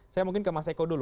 saya mungkin ke mas eko dulu